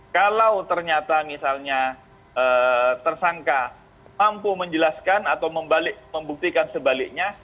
kalau ternyata misalnya tersangka mampu menjelaskan atau membuktikan sebaliknya